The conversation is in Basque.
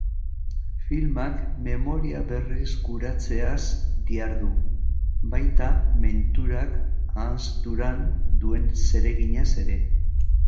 Filmak memoria berreskuratzeaz dihardu, baita menturak ahanzturan duen zereginaz ere.